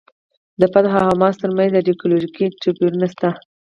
د فتح او حماس ترمنځ ایډیالوژیکي توپیرونه شته.